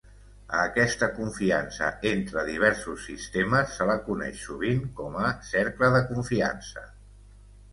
A aquesta confiança entre diversos sistemes se la coneix sovint com a "cercle de confiança".